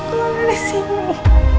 keluar dari sini